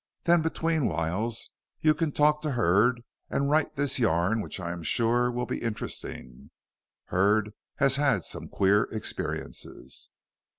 Then between whiles you can talk to Hurd and write this yarn which I am sure will be interesting. Hurd has had some queer experiences."